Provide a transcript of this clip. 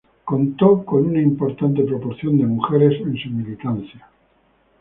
Contó con una importante proporción de mujeres en su militancia.